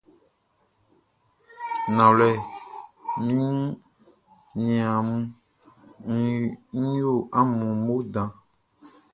Nanwlɛ, mi niaan mun, n yo amun mo dan.